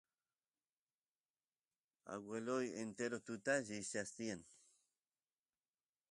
agueloy entero tutata llikchas tiyan